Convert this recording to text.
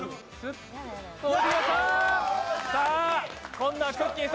今度はくっきー！